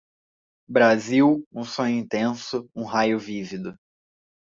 Brasil, um sonho intenso, um raio vívido